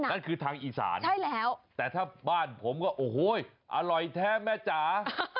นั่นคือทางอีสานใช่แล้วแต่ถ้าบ้านผมก็โอ้โหอร่อยแท้แม่จ๋า